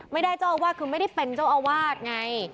เจ้าอาวาสคือไม่ได้เป็นเจ้าอาวาสไง